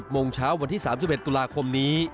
โมงเช้าวันที่๓๑ตุลาคมนี้